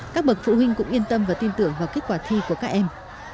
các bậc phụ huynh cũng yên tâm và tin tưởng vào kết quả thi của các em